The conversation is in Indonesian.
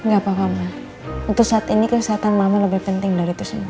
gak apa apa mbak untuk saat ini kesehatan mama lebih penting dari itu semua